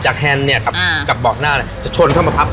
จากแฮนด์เนี่ยกับบอกหน้าเนี่ยจะชนเข้ามาพับขา